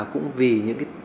cũng vì những